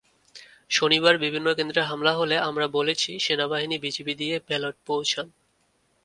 শনিবার বিভিন্ন কেন্দ্রে হামলা হলে আমরা বলেছি সেনাবাহিনী-বিজিবি দিয়ে ব্যালট পৌঁছান।